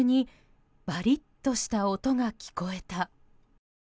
列車が走行中にバリッとした音が聞こえた。